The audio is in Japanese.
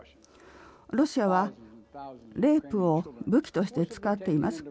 ロシアはレイプを武器として使っています。